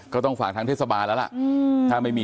ก็ต้องฝากทั้งเทศบาลแล้วแหละ